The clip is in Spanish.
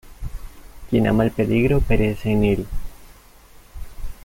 ¡ quien ama el peligro perece en él!